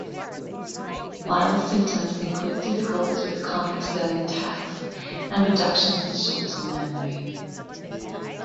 Mild symptoms include difficulties with complex learning tasks and reductions in short-term memory.